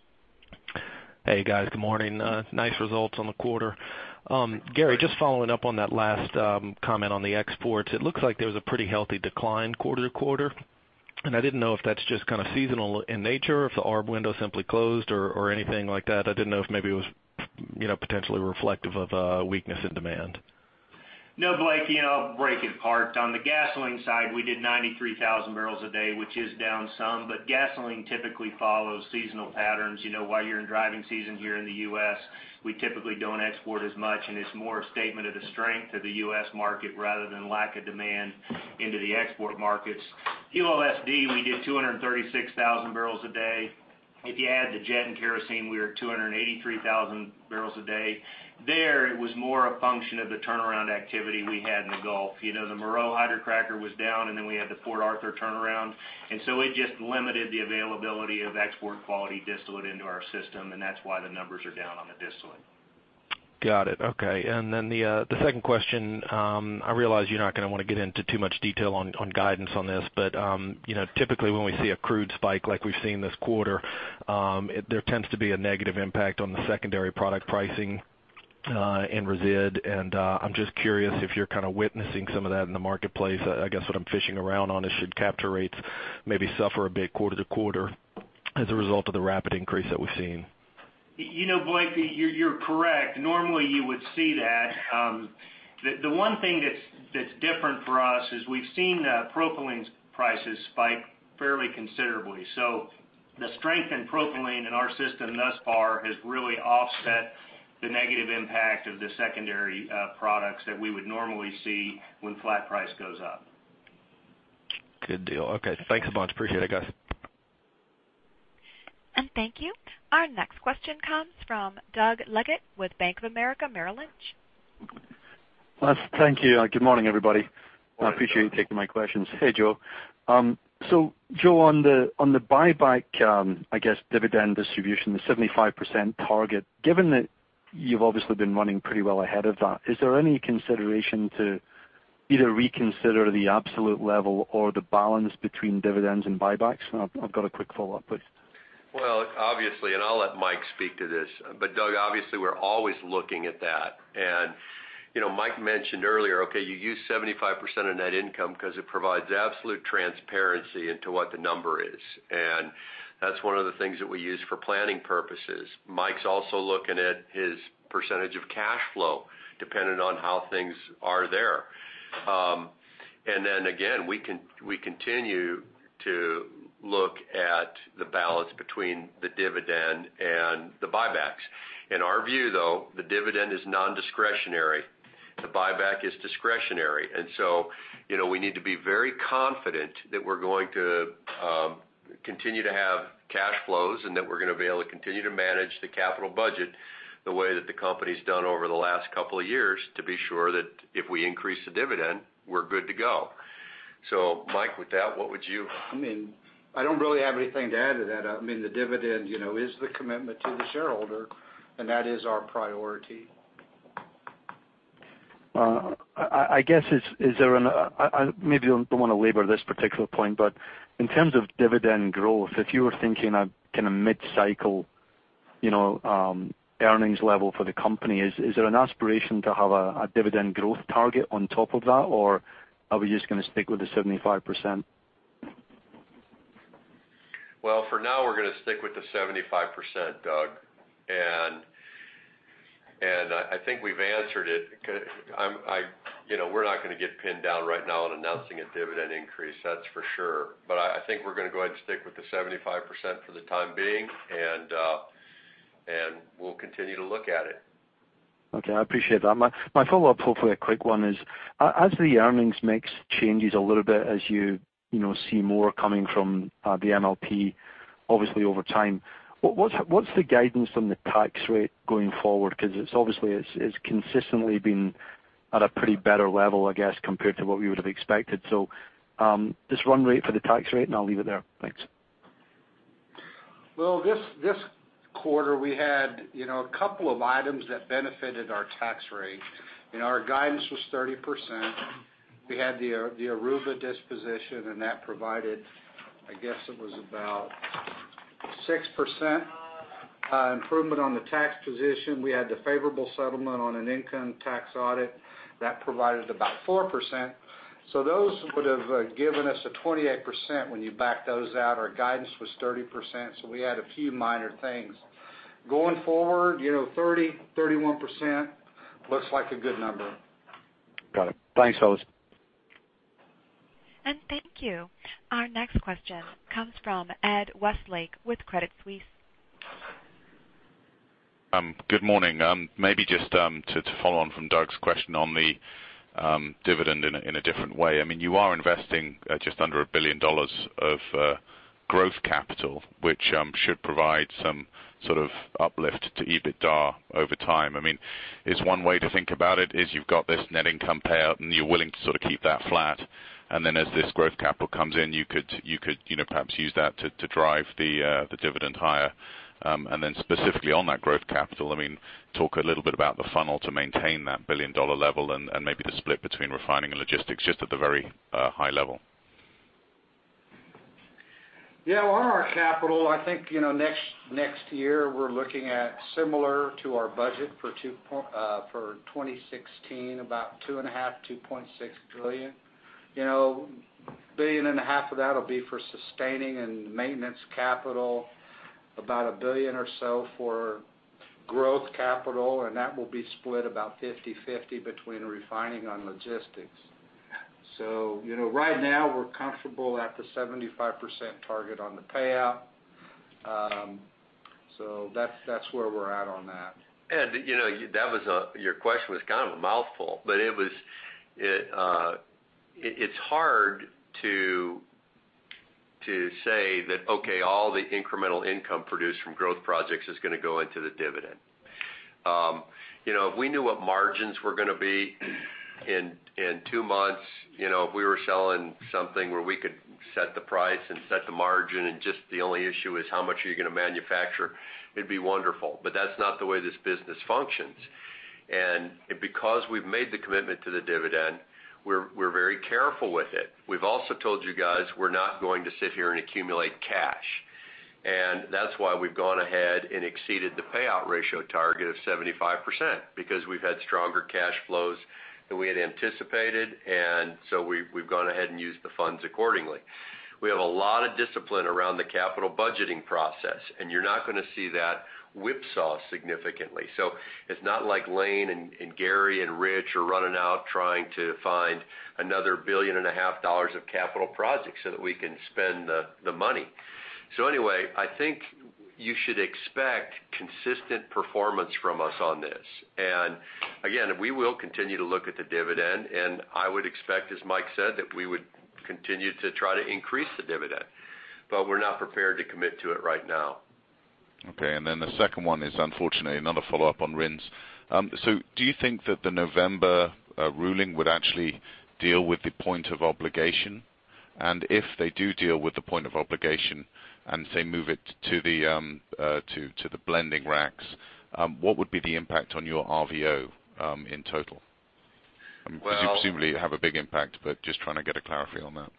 Hey, guys. Good morning. Nice results on the quarter. Gary, just following up on that last comment on the exports, it looks like there was a pretty healthy decline quarter-to-quarter. I didn't know if that's just kind of seasonal in nature, if the arb window simply closed or anything like that. I didn't know if maybe it was potentially reflective of a weakness in demand. No, Blake. I'll break it apart. On the gasoline side, we did 93,000 barrels a day, which is down some, but gasoline typically follows seasonal patterns. While you're in driving season here in the U.S., we typically don't export as much, it's more a statement of the strength of the U.S. market rather than lack of demand into the export markets. COSD, we did 236,000 barrels a day. If you add the jet and kerosene, we are at 283,000 barrels a day. There, it was more a function of the turnaround activity we had in the Gulf. The Meraux hydrocracker was down, then we had the Port Arthur turnaround, so it just limited the availability of export quality distillate into our system, that's why the numbers are down on the distillate. Got it. Okay. Then the second question, I realize you're not going to want to get into too much detail on guidance on this, typically when we see a crude spike like we've seen this quarter, there tends to be a negative impact on the secondary product pricing in resid. I'm just curious if you're kind of witnessing some of that in the marketplace. I guess what I'm fishing around on is should capture rates maybe suffer a bit quarter-to-quarter as a result of the rapid increase that we've seen? Blake, you're correct. Normally, you would see that. The one thing that's different for us is we've seen the propylene prices spike fairly considerably. The strength in propylene in our system thus far has really offset the negative impact of the secondary products that we would normally see when flat price goes up. Good deal. Okay. Thanks a bunch. Appreciate it, guys. Thank you. Our next question comes from Doug Leggate with Bank of America Merrill Lynch. Thank you. Good morning, everybody. Good morning, Doug. Appreciate you taking my questions. Hey, Joe. Joe, on the buyback, I guess dividend distribution, the 75% target, given that you've obviously been running pretty well ahead of that, is there any consideration to either reconsider the absolute level or the balance between dividends and buybacks? I've got a quick follow-up, please. Well, obviously, I'll let Mike speak to this, Doug, obviously we're always looking at that. Mike mentioned earlier, okay, you use 75% of net income because it provides absolute transparency into what the number is. That's one of the things that we use for planning purposes. Mike's also looking at his percentage of cash flow, dependent on how things are there. Then again, we continue to look at the balance between the dividend and the buybacks. In our view, though, the dividend is non-discretionary. The buyback is discretionary. So we need to be very confident that we're going to continue to have cash flows and that we're going to be able to continue to manage the capital budget the way that the company's done over the last couple of years to be sure that if we increase the dividend, we're good to go. Mike, with that, what would you? I don't really have anything to add to that. The dividend is the commitment to the shareholder, that is our priority. I guess, maybe you don't want to labor this particular point, but in terms of dividend growth, if you were thinking of mid-cycle earnings level for the company, is there an aspiration to have a dividend growth target on top of that or are we just going to stick with the 75%? Well, for now we're going to stick with the 75%, Doug. I think we've answered it. We're not going to get pinned down right now on announcing a dividend increase, that's for sure. I think we're going to go ahead and stick with the 75% for the time being, we'll continue to look at it. Okay, I appreciate that. My follow-up, hopefully a quick one, is as the earnings mix changes a little bit as you see more coming from the MLP, obviously over time, what's the guidance on the tax rate going forward? Because it's obviously consistently been at a pretty better level, I guess, compared to what we would have expected. Just run rate for the tax rate, I'll leave it there. Thanks. Well, this quarter we had a couple of items that benefited our tax rate. Our guidance was 30%. We had the Aruba disposition, that provided, I guess it was about 6% improvement on the tax position. We had the favorable settlement on an income tax audit that provided about 4%. Those would have given us a 28% when you back those out. Our guidance was 30%, so we had a few minor things. Going forward, 30%-31% looks like a good number. Got it. Thanks, fellas. Thank you. Our next question comes from Ed Westlake with Credit Suisse. Good morning. Maybe just to follow on from Doug's question on the dividend in a different way. You are investing just under $1 billion of growth capital, which should provide some sort of uplift to EBITDA over time. Is one way to think about it is you've got this net income payout, and you're willing to sort of keep that flat, and then as this growth capital comes in, you could perhaps use that to drive the dividend higher? Then specifically on that growth capital, talk a little bit about the funnel to maintain that billion-dollar level and maybe the split between refining and logistics, just at the very high level. Yeah, on our capital, I think next year we're looking at similar to our budget for 2016, about $2.5 billion, $2.6 billion. $1.5 billion of that'll be for sustaining and maintenance capital, about $1 billion or so for growth capital, and that will be split about 50/50 between refining and logistics. Right now, we're comfortable at the 75% target on the payout. That's where we're at on that. Ed, your question was kind of a mouthful, but it's hard to say that, okay, all the incremental income produced from growth projects is going to go into the dividend. If we knew what margins were going to be in two months, if we were selling something where we could set the price and set the margin and just the only issue is how much are you going to manufacture, it'd be wonderful, but that's not the way this business functions. Because we've made the commitment to the dividend, we're very careful with it. We've also told you guys we're not going to sit here and accumulate cash. That's why we've gone ahead and exceeded the payout ratio target of 75%, because we've had stronger cash flows than we had anticipated, we've gone ahead and used the funds accordingly. We have a lot of discipline around the capital budgeting process, and you're not going to see that whipsaw significantly. It's not like Lane and Gary and Rich are running out trying to find another $1.5 billion of capital projects so that we can spend the money. Anyway, I think you should expect consistent performance from us on this. Again, we will continue to look at the dividend, and I would expect, as Mike said, that we would continue to try to increase the dividend. We're not prepared to commit to it right now. Okay, the second one is unfortunately another follow-up on RINs. Do you think that the November ruling would actually deal with the point of obligation? If they do deal with the point of obligation and say move it to the blending racks, what would be the impact on your RVO in total? Because you presumably have a big impact, but just trying to get clarity on that.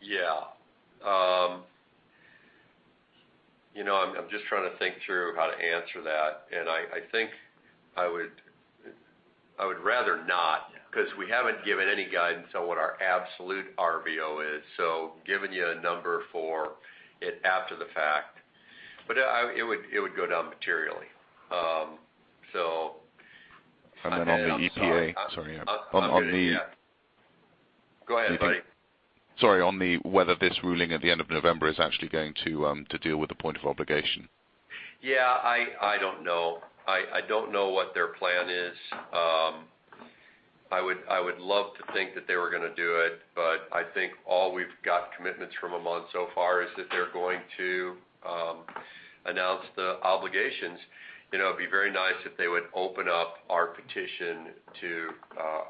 Yeah. I'm just trying to think through how to answer that. I think I would rather not, because we haven't given any guidance on what our absolute RVO is, so giving you a number for it after the fact. It would go down materially. On the EPA. Sorry. Go ahead, buddy. Sorry, on whether this ruling at the end of November is actually going to deal with the point of obligation. Yeah. I don't know. I don't know what their plan is. I would love to think that they were going to do it, but I think all we've got commitments from them on so far is that they're going to announce the obligations. It'd be very nice if they would open up our petition to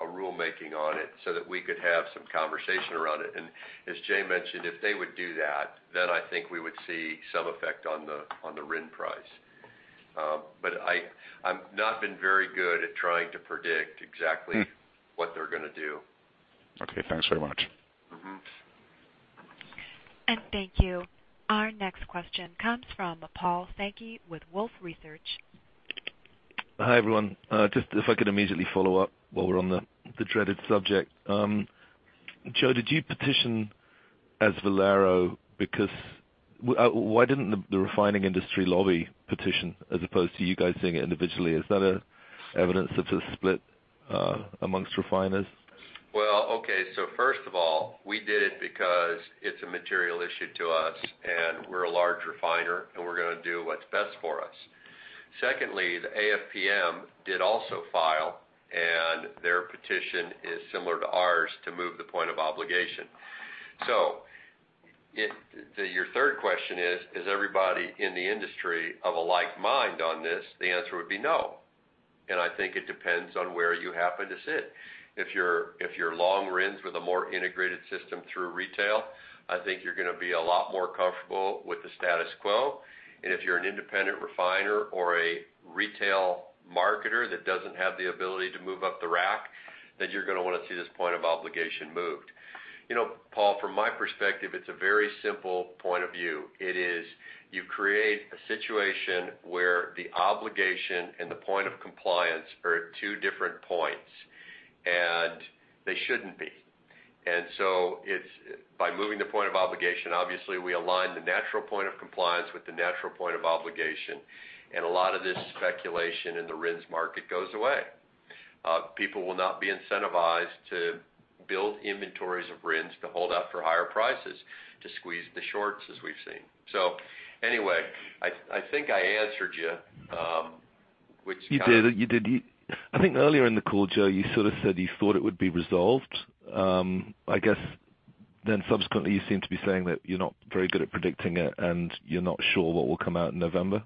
a rulemaking on it so that we could have some conversation around it. As Jay mentioned, if they would do that, then I think we would see some effect on the RIN price. I've not been very good at trying to predict exactly what they're going to do. Okay. Thanks very much. Thank you. Our next question comes from Paul Sankey with Wolfe Research. Hi, everyone. Just if I could immediately follow up while we're on the dreaded subject. Joe, did you petition as Valero because why didn't the refining industry lobby petition as opposed to you guys doing it individually? Is that an evidence of a split amongst refiners? Well, okay. First of all, we did it because it's a material issue to us, and we're a large refiner, and we're going to do what's best for us. Secondly, the AFPM did also file, and their petition is similar to ours to move the point of obligation. Your third question is everybody in the industry of a like mind on this? The answer would be no. I think it depends on where you happen to sit. If you're long RINs with a more integrated system through retail, I think you're going to be a lot more comfortable with the status quo. If you're an independent refiner or a retail marketer that doesn't have the ability to move up the rack, then you're going to want to see this point of obligation moved. Paul, from my perspective, it's a very simple point of view. It is, you create a situation where the obligation and the point of compliance are at two different points, and they shouldn't be. By moving the point of obligation, obviously we align the natural point of compliance with the natural point of obligation, and a lot of this speculation in the RINs market goes away. People will not be incentivized to build inventories of RINs to hold out for higher prices to squeeze the shorts as we've seen. Anyway, I think I answered you. You did. I think earlier in the call, Joe, you sort of said you thought it would be resolved. I guess subsequently, you seem to be saying that you're not very good at predicting it and you're not sure what will come out in November.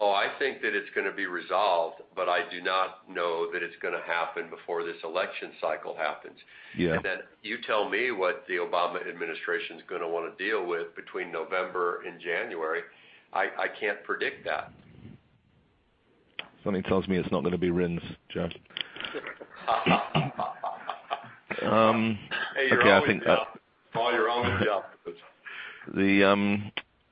Oh, I think that it's going to be resolved, but I do not know that it's going to happen before this election cycle happens. Yeah. You tell me what the Obama administration's going to want to deal with between November and January. I can't predict that. Something tells me it's not going to be RINs, Joe. Paul, you're owing me a job.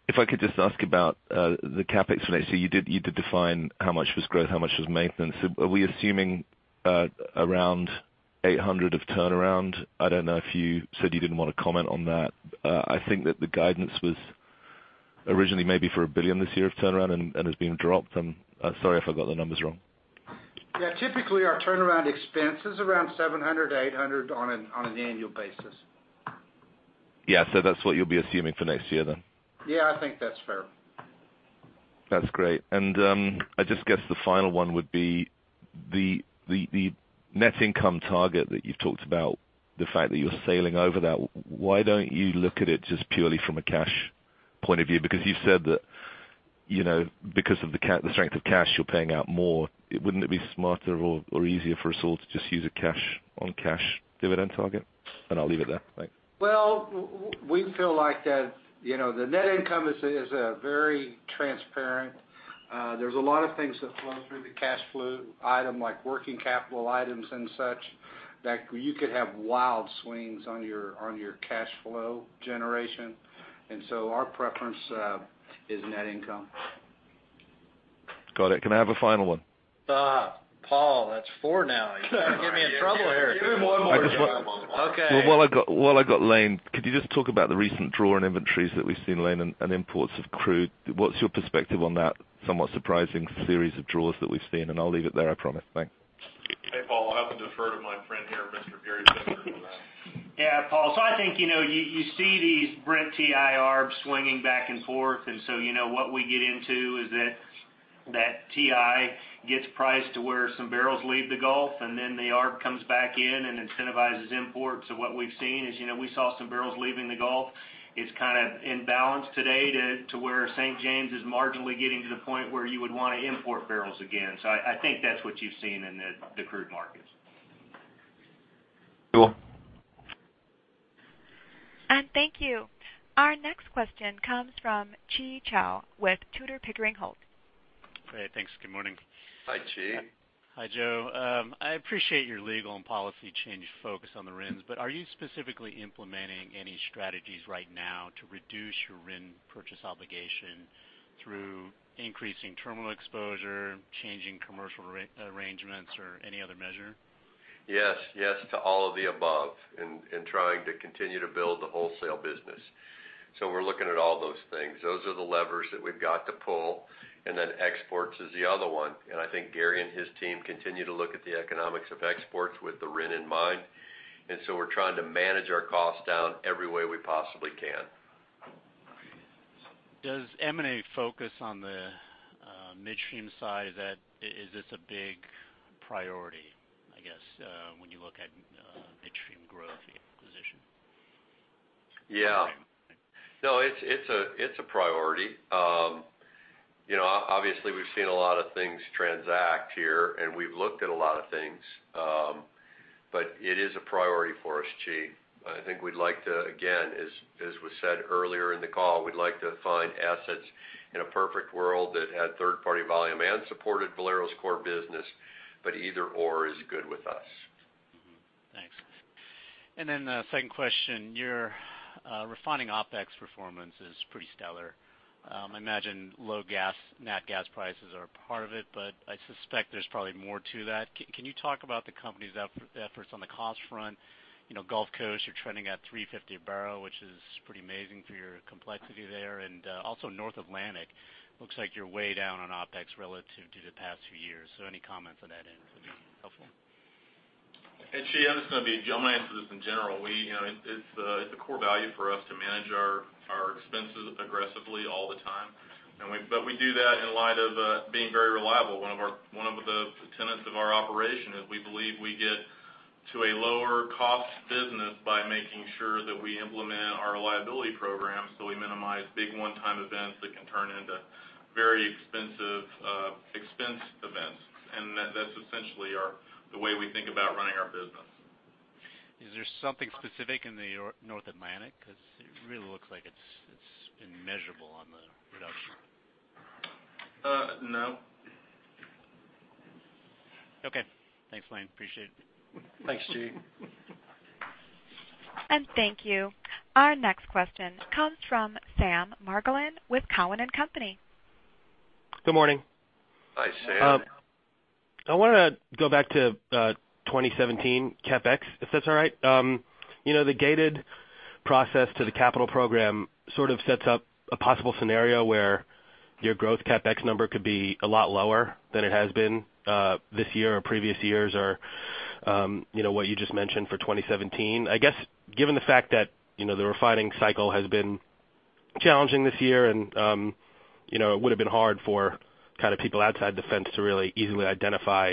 If I could just ask about the CapEx. You did define how much was growth, how much was maintenance. Are we assuming around $800 of turnaround? I don't know if you said you didn't want to comment on that. I think that the guidance was originally maybe for $1 billion this year of turnaround and has been dropped. Sorry if I got the numbers wrong. Yeah. Typically, our turnaround expense is around $700-$800 on an annual basis. Yeah. That's what you'll be assuming for next year then? Yeah, I think that's fair. That's great. I just guess the final one would be the net income target that you've talked about, the fact that you're sailing over that, why don't you look at it just purely from a cash point of view? Because you've said that because of the strength of cash, you're paying out more. Wouldn't it be smarter or easier for us all to just use a cash on cash dividend target? I'll leave it there. Thanks. Well, we feel like the net income is very transparent. There's a lot of things that flow through the cash flow item, like working capital items and such, that you could have wild swings on your cash flow generation. Our preference is net income. Got it. Can I have a final one? Paul, that's four now. You're going to get me in trouble here. Give him one more, Joe. Okay. Well, while I got Lane, could you just talk about the recent draw in inventories that we've seen, Lane, and imports of crude? What's your perspective on that somewhat surprising series of draws that we've seen? I'll leave it there, I promise. Thanks. Hey, Paul, I have to defer to my friend here, Gary Becker, on that. Yeah, Paul. I think, you see these Brent-WTI arbs swinging back and forth. What we get into is that WTI gets priced to where some barrels leave the Gulf, and then the arb comes back in and incentivizes imports. What we've seen is we saw some barrels leaving the Gulf. It's kind of in balance today to where St. James is marginally getting to the point where you would want to import barrels again. I think that's what you've seen in the crude markets. Cool. Thank you. Our next question comes from Chi Chow with Tudor, Pickering, Holt & Co. Hey, thanks. Good morning. Hi, Chi Chow. Hi, Joe. I appreciate your legal and policy change focus on the RINs. Are you specifically implementing any strategies right now to reduce your RIN purchase obligation through increasing terminal exposure, changing commercial arrangements, or any other measure? Yes to all of the above in trying to continue to build the wholesale business. We're looking at all those things. Those are the levers that we've got to pull, then exports is the other one. I think Gary and his team continue to look at the economics of exports with the RIN in mind. We're trying to manage our costs down every way we possibly can. Does M&A focus on the midstream side? Is this a big priority, I guess, when you look at midstream growth acquisition? Yeah. No, it's a priority. Obviously, we've seen a lot of things transact here, and we've looked at a lot of things. It is a priority for us, Chi. I think we'd like to, again, as was said earlier in the call, we'd like to find assets in a perfect world that had third-party volume and supported Valero's core business, but either/or is good with us. Mm-hmm. Thanks. Then the second question, your refining OpEx performance is pretty stellar. I imagine low gas, nat gas prices are a part of it, but I suspect there's probably more to that. Can you talk about the company's efforts on the cost front? Gulf Coast, you're trending at $3.50 a barrel, which is pretty amazing for your complexity there. Also North Atlantic looks like you're way down on OpEx relative to the past few years. Any comments on that end would be helpful. Chi, my answer to this in general, it's a core value for us to manage our expenses aggressively all the time. We do that in light of being very reliable. One of the tenets of our operation is we believe we get to a lower cost business by making sure that we implement our reliability program so we minimize big one-time events that can turn into very expensive expense events. That's essentially the way we think about running our business. Is there something specific in the North Atlantic? Because it really looks like it's been measurable on the reduction. No. Okay. Thanks, Lane. Appreciate it. Thanks, Chi. Thank you. Our next question comes from Sam Margolin with Cowen and Company. Good morning. Hi, Sam. I want to go back to 2017 CapEx, if that's all right. The gated process to the capital program sort of sets up a possible scenario where your growth CapEx number could be a lot lower than it has been this year or previous years, or what you just mentioned for 2017. I guess, given the fact that the refining cycle has been challenging this year and it would've been hard for people outside the fence to really easily identify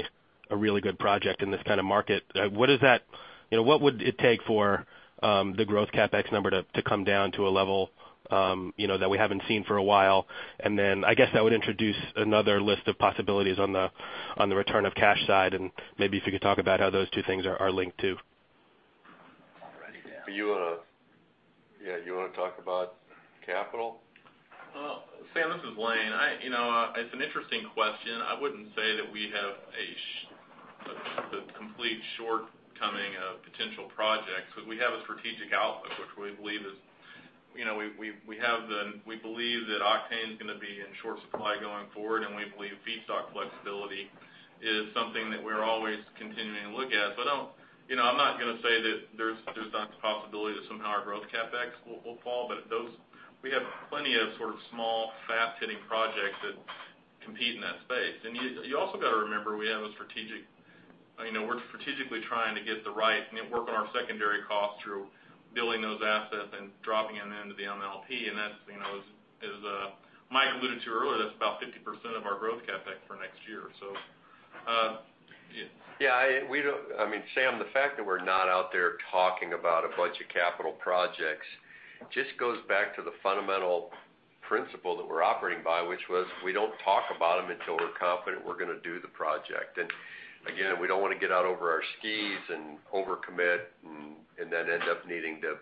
a really good project in this kind of market. What would it take for the growth CapEx number to come down to a level that we haven't seen for a while? Then I guess that would introduce another list of possibilities on the return of cash side, and maybe if you could talk about how those two things are linked, too. You want to talk about capital? Sam, this is Lane. It's an interesting question. I wouldn't say that we have the complete shortcoming of potential projects. We have a strategic outlook, which we believe that octane is going to be in short supply going forward, and we believe feedstock flexibility is something that we're always continuing to look at. I'm not going to say that there's not the possibility that somehow our growth CapEx will fall, but we have plenty of sort of small, fast-hitting projects that compete in that space. You also got to remember, we're strategically trying to get the right network on our secondary costs through building those assets and dropping them into the MLP, and as Mike alluded to earlier, that's about 50% of our growth CapEx for next year or so. Yeah. Sam, the fact that we're not out there talking about a bunch of capital projects just goes back to the fundamental principle that we're operating by, which was we don't talk about them until we're confident we're going to do the project. Again, we don't want to get out over our skis and overcommit and then end up needing to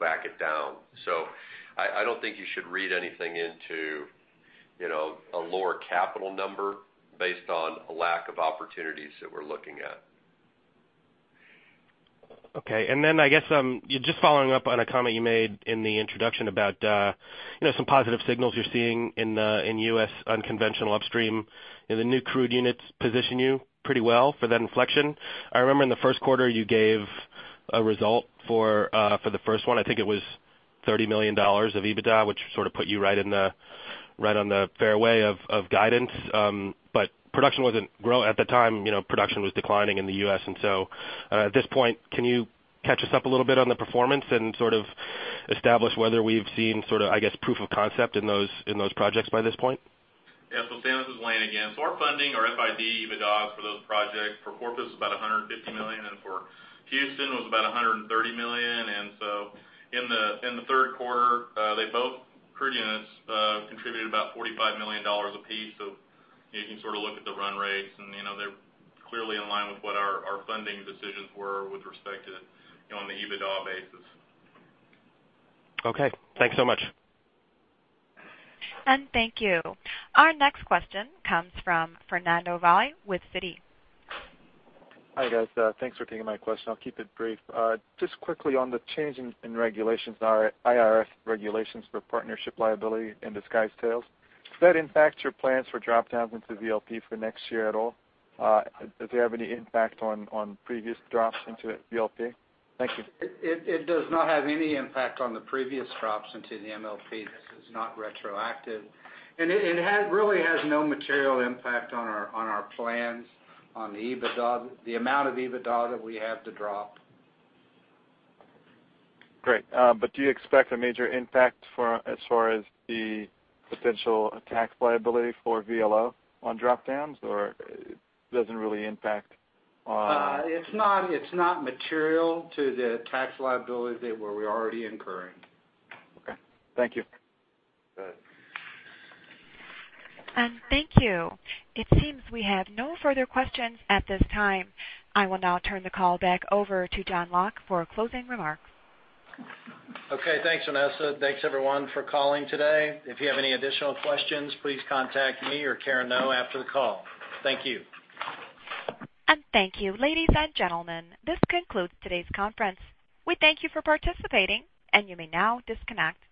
back it down. I don't think you should read anything into a lower capital number based on a lack of opportunities that we're looking at. Okay. I guess, just following up on a comment you made in the introduction about some positive signals you're seeing in U.S. unconventional upstream. Do the new crude units position you pretty well for that inflection? I remember in the first quarter you gave a result for the first one. I think it was $30 million of EBITDA, which sort of put you right on the fairway of guidance. At the time, production was declining in the U.S. At this point, can you catch us up a little bit on the performance and sort of establish whether we've seen, I guess, proof of concept in those projects by this point? Yeah. Sam, this is Lane again. Our funding, our FID EBITDA for those projects for Corpus was about $150 million, and for Houston, it was about $130 million. In the third quarter, both crude units contributed about $45 million apiece. You can sort of look at the run rates, and they're clearly in line with what our funding decisions were with respect to on the EBITDA basis. Okay. Thanks so much. Thank you. Our next question comes from Fernando Valle with Citi. Hi, guys. Thanks for taking my question. I'll keep it brief. Just quickly on the change in regulations, IRS regulations for partnership liability and disguised sales, does that impact your plans for drop-downs into VLP for next year at all? Does it have any impact on previous drops into VLP? Thank you. It does not have any impact on the previous drops into the MLP. This is not retroactive. It really has no material impact on our plans on the EBITDA, the amount of EBITDA that we have to drop. Great. Do you expect a major impact as far as the potential tax liability for VLO on drop-downs, or it doesn't really impact? It's not material to the tax liability that we're already incurring. Okay. Thank you. Go ahead. Thank you. It seems we have no further questions at this time. I will now turn the call back over to John Locke for closing remarks. Okay, thanks, Vanessa. Thanks, everyone, for calling today. If you have any additional questions, please contact me or Karen Ngo after the call. Thank you. Thank you. Ladies and gentlemen, this concludes today's conference. We thank you for participating, and you may now disconnect.